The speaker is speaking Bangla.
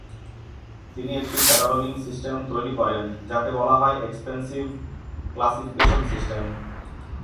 তিনি একটি ক্যাটালগিং সিস্টেম তৈরি করেন যাকে বলা হয় এক্সপেনসিভ ক্লাসিফিকেশন সিস্টেম।